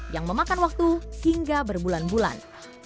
yang memakan waktu hingga berbulan bulan